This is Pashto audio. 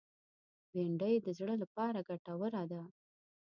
بېنډۍ د زړه لپاره ګټوره ده